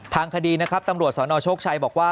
ทางคดีนะครับตำรวจสนโชคชัยบอกว่า